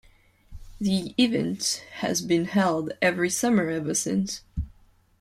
The event has been held every summer ever since.